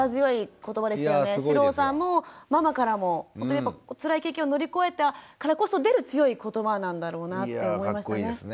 四郎さんもママからもおつらい経験を乗り越えたからこそ出る強い言葉なんだろうなって思いましたね。